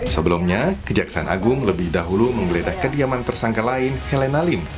sebelumnya kejaksaan agung lebih dahulu menggeledah kediaman tersangka lain helena lim